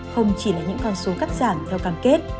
không chỉ là những con số cắt giảm theo cam kết